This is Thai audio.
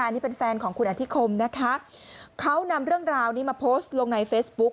นี่เป็นแฟนของคุณอธิคมนะคะเขานำเรื่องราวนี้มาโพสต์ลงในเฟซบุ๊ก